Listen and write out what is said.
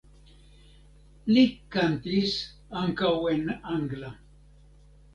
Li kantis ankaŭ en angla.